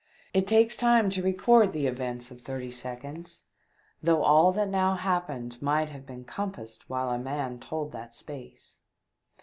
It takes time to record the events of thirty seconds, though all that now happened might have been compassed whilst a man told that space.